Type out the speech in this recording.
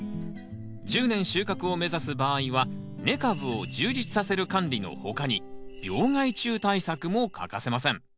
１０年収穫を目指す場合は根株を充実させる管理の他に病害虫対策も欠かせません。